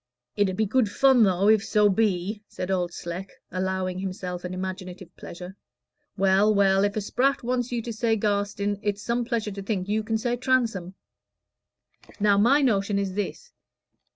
"It 'ud be good fun, though, if so be," said Old Sleck, allowing himself an imaginative pleasure. "Well, well, if a Spratt wants you to say Garstin, it's some pleasure to think you can say Transome. Now, my notion is this.